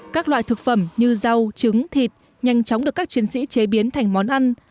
các loại thực phẩm như rau trứng thịt nhanh chóng được các chiến sĩ chế biến thành món ăn